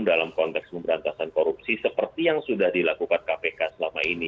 dalam konteks pemberantasan korupsi seperti yang sudah dilakukan kpk selama ini